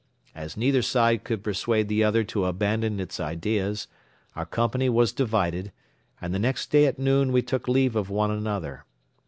As neither side could persuade the other to abandon its ideas, our company was divided and the next day at noon we took leave of one another.